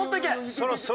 そろそろ。